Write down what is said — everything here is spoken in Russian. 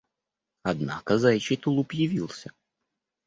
Однако заячий тулуп явился.